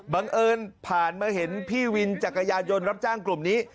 บังเอิญผ่านมาเห็นพี่วินจักรยานยนต์รับจ้างกลุ่มนี้